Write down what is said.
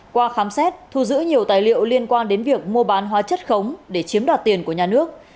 qua khám xét thu giữ nhiều tài liệu liên quan đến việc mua bán hóa chất khống để chiếm đoạt tiền của nhà nước